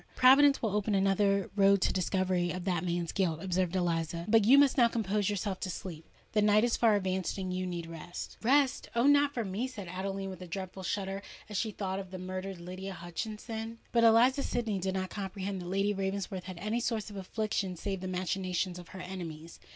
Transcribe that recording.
"Providence will open another road to the discovery of that man's guilt," observed Eliza. "But you must now compose yourself to sleep: the night is far advanced—and you need rest." "Rest!—oh! not for me!" said Adeline, with a dreadful shudder, as she thought of the murdered Lydia Hutchinson. But Eliza Sydney did not comprehend that Lady Ravensworth had any source of affliction save the machinations of her enemies.